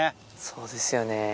そうですよね。